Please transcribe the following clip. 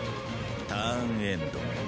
ターンエンド。